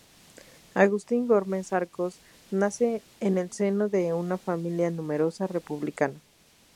Agustín Gómez Arcos nace en el seno de una familia numerosa republicana.